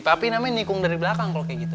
tapi namanya nikung dari belakang kalau kayak gitu